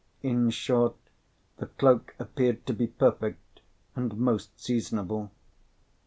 In short, the cloak appeared to be perfect, and most seasonable.